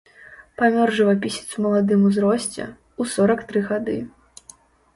Памёр жывапісец у маладым узросце, у сорак тры гады.